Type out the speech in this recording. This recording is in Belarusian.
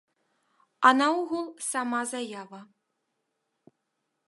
А наогул, сама заява.